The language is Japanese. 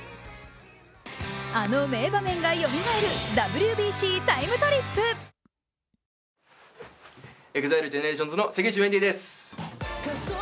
あの名場面がよみがえる、「ＷＢＣＴＩＭＥ，トリップ」ＥＸＩＬＥＧＥＮＥＲＡＴＩＯＮＳの関口メンディーです！